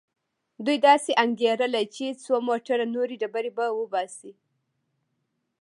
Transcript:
دوی داسې انګېرله چې څو موټره نورې ډبرې به وباسي.